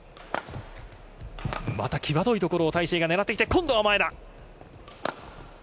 また際どいところをタイ・シエイが狙ってきて今度は前だ。